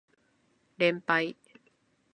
連敗